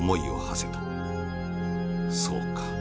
そうか！